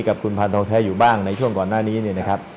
กับคุณพันธองแท้อยู่บ้างในช่วงก่อนหน้านี้เนี่ยนะครับ